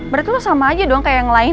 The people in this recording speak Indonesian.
berarti lo sama aja doang kayak yang lain